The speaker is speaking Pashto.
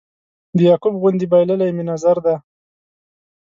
د یعقوب غوندې بایللی مې نظر دی